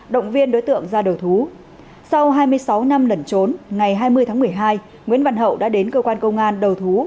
động viên đối tượng ra đầu thú sau hai mươi sáu năm lẩn trốn ngày hai mươi tháng một mươi hai nguyễn văn hậu đã đến cơ quan công an đầu thú